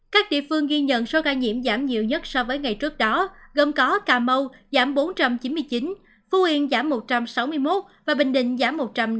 các địa phương ghi nhận số ca nhiễm giảm nhiều nhất so với ngày trước đó gồm có cà mau giảm bốn trăm chín mươi chín phú yên giảm một trăm sáu mươi một và bình định giảm một trăm năm mươi